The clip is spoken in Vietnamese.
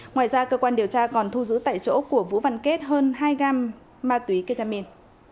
ngoài ra cơ quan điều tra còn thu giữ tại chỗ của vũ văn kết hơn hai gam ma túy ketamin